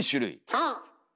そう！